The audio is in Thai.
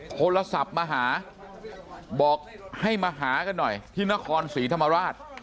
โทรศัพท์มาหาบอกให้มาหากันหน่อยที่นครศรีธรรมราช